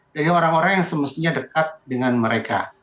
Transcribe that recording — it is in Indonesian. dari orang orang yang semestinya dekat dengan mereka